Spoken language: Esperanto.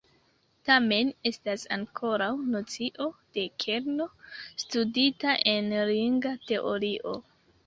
Tamen, estas ankoraŭ nocio de kerno studita en ringa teorio.